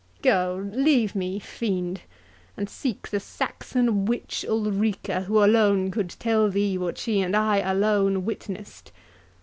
—Go, leave me, fiend! and seek the Saxon witch Ulrica, who alone could tell thee what she and I alone witnessed.